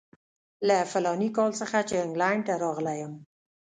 له فلاني کال څخه چې انګلینډ ته راغلی یم.